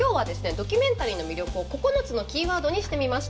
ドキュメンタリーの魅力を９つのキーワードにしてみました。